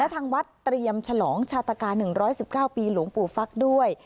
แล้วทางวัดเตรียมฉลองชาตากาหนึ่งร้อยสิบเก้าปีหลวงปู่ฟักษ์ด้วย